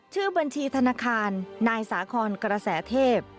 ชื่อบัญชีธนาคารนายสาคอนกระแสเทพ